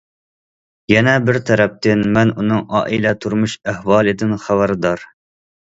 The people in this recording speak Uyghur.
يەنە بىر تەرەپتىن مەن ئۇنىڭ ئائىلە، تۇرمۇش ئەھۋالىدىن خەۋەردار.